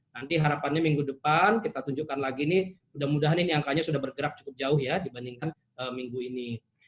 nanti harapannya minggu depan kita tunjukkan lagi ini mudah mudahan ini angkanya sudah bergerak cukup jauh ya dibandingkan minggu ini